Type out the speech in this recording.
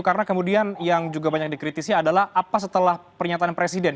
karena kemudian yang juga banyak dikritisi adalah apa setelah pernyataan presiden